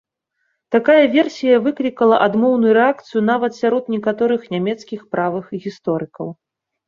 Такая версія выклікала адмоўную рэакцыю нават сярод некаторых нямецкіх правых гісторыкаў.